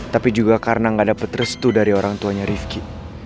tapi juga karena nggak dapet restu dari orang tuanya rifqi